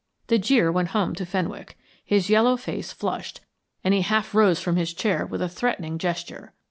The jeer went home to Fenwick, his yellow face flushed, and he half rose from his chair with a threatening gesture.